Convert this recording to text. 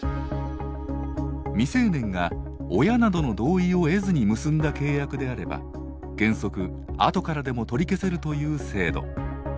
未成年が親などの同意を得ずに結んだ契約であれば原則あとからでも取り消せるという制度。